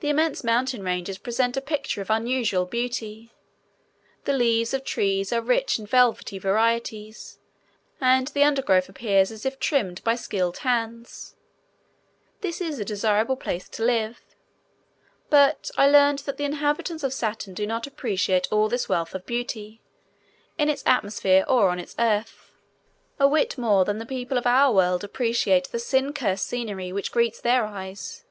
The immense mountain ranges present a picture of unusual beauty. The leaves of trees are rich in velvety varieties and the undergrowth appears as if trimmed by skilled hands. This is a desirable place to live. But I learned that the inhabitants of Saturn do not appreciate all this wealth of beauty, in its atmosphere or on its earth, a whit more than the people of our world appreciate the sin cursed scenery which greets their eyes.